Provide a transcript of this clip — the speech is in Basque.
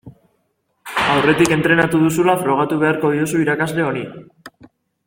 Aurretik entrenatu duzula frogatu beharko diozu irakasle honi.